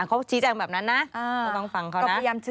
เขาชี้แจงแบบนั้นนะก็ต้องฟังเขานะ